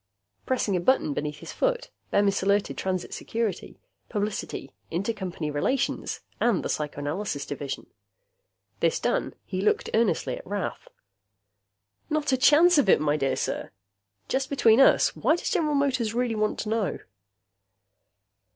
Pressing a button beneath his foot, Bemis alerted Transit Security, Publicity, Intercompany Relations, and the Psychoanalysis Division. This done, he looked earnestly at Rath. "Not a chance of it, my dear sir. Just between us, why does General Motors really want to know?"